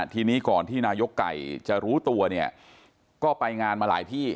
ทีนี้ก่อนที่นายกไก่จะรู้ตัวเนี่ยก็ไปงานมาหลายที่